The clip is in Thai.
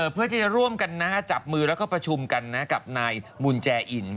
เพื่อที่จะร่วมกันจับมือแล้วก็ประชุมกันกับนายบุญแจอิน